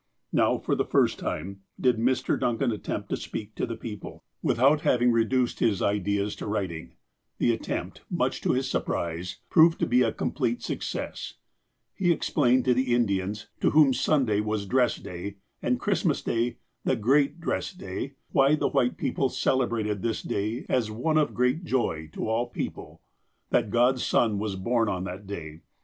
Now, for the first time, did Mr. Duncan attempt to speak to the people, with 136 THE APOSTLE OF ALASKA out having reduced his ideas to writing. The attempt, much to his surprise, proved to be a complete success. He explained to the Indians, to whom Sunday was ''dress day," and Christmas Day "the great dress day," why the white people celebrated this day as one of " great joy to all people." That God's Sou was born on that day.